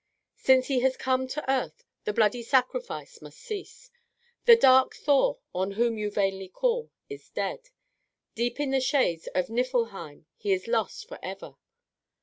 Since He has come to earth the bloody sacrifice must cease. The dark Thor, on whom you vainly call, is dead. Deep in the shades of Niffelheim he is lost forever.